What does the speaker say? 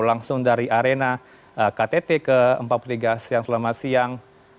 langsung dari arena ktt ke empat puluh tiga asean selamat siang